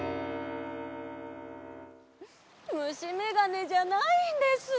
むしめがねじゃないんです。